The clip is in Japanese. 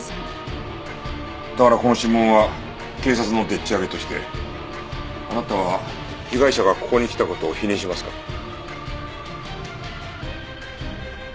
だからこの指紋は警察のでっちあげとしてあなたは被害者がここに来た事を否認しますか？